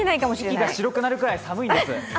息が白くなるぐらい寒いんです。